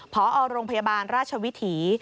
พอโรงพยาบาลราชวิถี